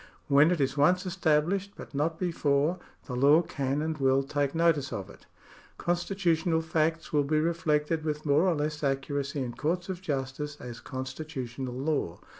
When it is once established, but not before, the law can and will take notice of it. Constitutional facts will be reflected with more or less accuracy in courts of justice as constitutional law.